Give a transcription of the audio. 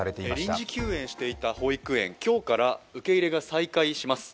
臨時休園していた保育園、今日から受け入れが再開します。